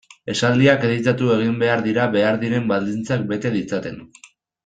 Esaldiak editatu egin behar dira behar diren baldintzak bete ditzaten.